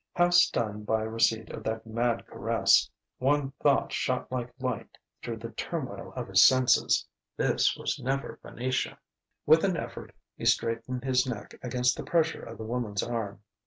Half stunned by receipt of that mad caress, one thought shot like light through the turmoil of his senses: this was never Venetia! With an effort he straightened his neck against the pressure of the woman's arm.